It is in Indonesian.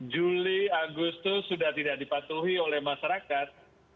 juli agustus sudah tidak dipatuhi oleh masyarakat